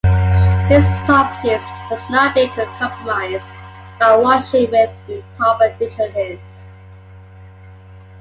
Its properties must not be compromised by washing with improper detergents.